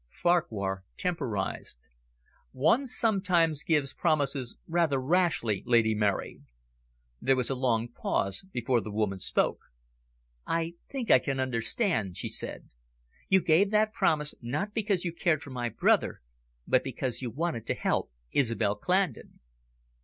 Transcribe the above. Farquhar temporised. "One sometimes gives promises rather rashly, Lady Mary." There was a long pause before the woman spoke. "I think I can understand," she said. "You gave that promise not because you cared for my brother, but because you wanted to help Isobel Clandon."